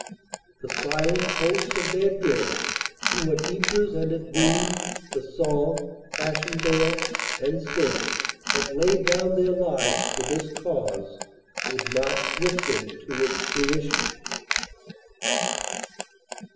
The silent hosts of their 398 CANADA S HUNDRED DAYS dead, who at Ypres and at Vimy, the Somme, Passchendaele and since, had laid down their lives for this cause, would march with them to its fruition.